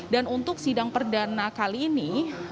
dan untuk sidang perdana kali ini